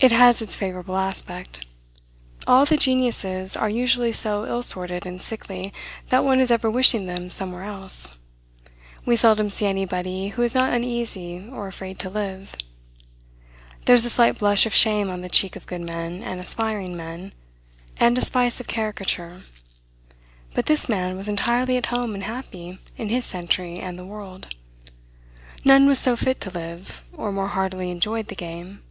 It has its favorable aspect. All the geniuses are usually so ill assorted and sickly, that one is ever wishing them somewhere else. We seldom see anybody who is not uneasy or afraid to live. There is a slight blush of shame on the cheek of good men and aspiring men, and a spice of caricature. But this man was entirely at home and happy in his century and the world. None was so fit to live, or more heartily enjoyed the game.